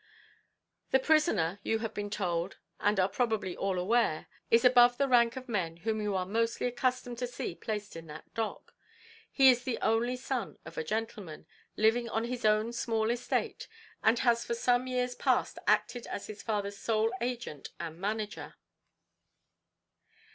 "The prisoner, you have been told, and are probably all aware, is above the rank of men whom you are mostly accustomed to see placed in that dock. He is the only son of a gentleman, living on his own small estate, and has for some years past acted as his father's sole agent and manager.